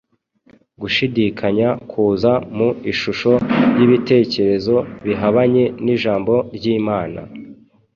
Gushidikanya kuza mu ishusho y’ibitekerezo bihabanye n’Ijambo ry’Imana.